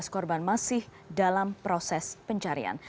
tujuh belas korban masih dalam proses pencarian